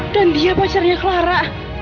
dan dia pacarnya clara